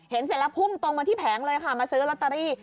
เสร็จแล้วพุ่งตรงมาที่แผงเลยค่ะมาซื้อลอตเตอรี่